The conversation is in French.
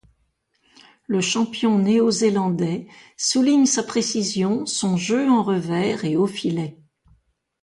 Le champion néo-zélandais souligne sa précision, son jeu en revers et au filet.